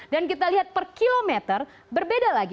dan kita lihat per kilometer berbeda lagi